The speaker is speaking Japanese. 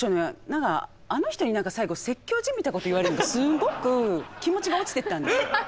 何かあの人に最後説教じみたこと言われるのすごく気持ちが落ちていったんです。